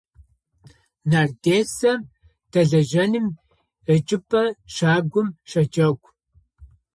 Нарт десэм дэлэжьэным ычӀыпӀэ щагум щэджэгу.